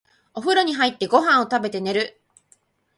お風呂に入って、ご飯を食べて、寝る。